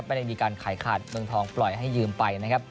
ไปในมีการข่ายคาดเมืองทองปล่อยให้ยืมไป